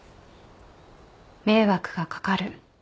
迷惑が掛かる。